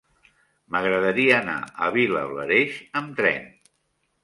M'agradaria anar a Vilablareix amb tren.